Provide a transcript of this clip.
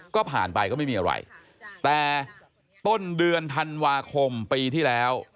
ก็ผ่านไปก็ไม่มีอะไรแต่ต้นเดือนธันวาคมปีที่แล้ว